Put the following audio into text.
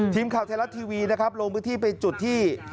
ทีมข่าวไทยรัฐทีวีนะครับลงพื้นที่ไปจุดที่